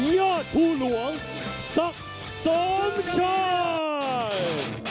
ยอดทุนวงสักสมชาย